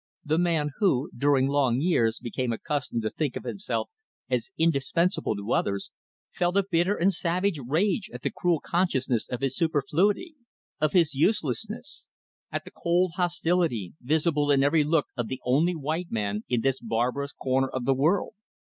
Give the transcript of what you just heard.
The man who, during long years, became accustomed to think of himself as indispensable to others, felt a bitter and savage rage at the cruel consciousness of his superfluity, of his uselessness; at the cold hostility visible in every look of the only white man in this barbarous corner of the world.